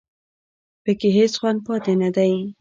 په کې هېڅ خوند پاتې نه دی